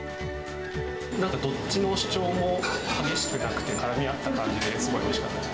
どっちの主張も激しくなくて、からみ合った感じで、すごいおいしかったです。